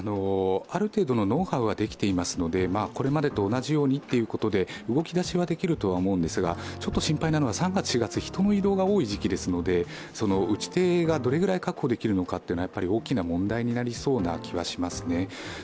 ある程度のノウハウはできていますので、これまでと同じようにということで動き出しはできると思うんですが、心配なのは３月、４月、人の移動が多い時期ですので打ち手がどのくらい確保できるのか大きな問題になりそうな気がしますね。